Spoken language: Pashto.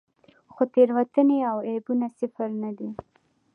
خو تېروتنې او عیبونه صفر نه دي.